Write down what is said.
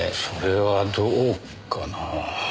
それはどうかなあ。